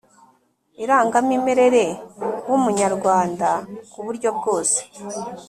irangamimerere w umunyarwanda ku buryo bwose